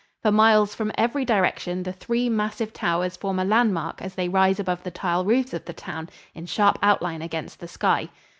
For miles from every direction the three massive towers form a landmark as they rise above the tile roofs of the town in sharp outline against the sky.